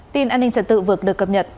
tin an ninh trật tự vượt được cập nhật